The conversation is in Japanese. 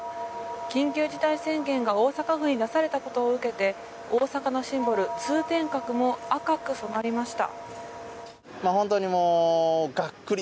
緊急事態宣言が大阪府に出されたことを受けて大阪のシンボル、通天閣も赤く染まりました。